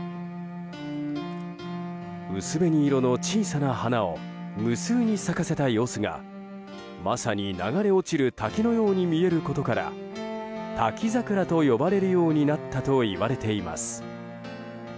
薄紅色の小さな花を無数に咲かせた様子がまさに流れ落ちる滝のように見えることから滝桜と呼ばれるようになったといわれています。